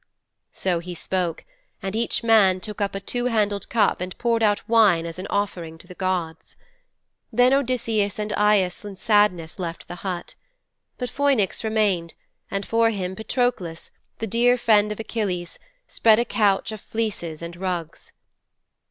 "' 'So he spoke, and each man took up a two handled cup and poured out wine as an offering to the gods. Then Odysseus and Aias in sadness left the hut. But Phoinix remained, and for him Patroklos, the dear friend of Achilles, spread a couch of fleeces and rugs.'